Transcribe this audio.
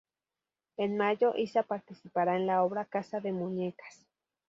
En mayo, Iza participará en la obra "Casa de muñecas".